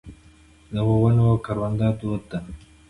د ونو کرونده دود ده.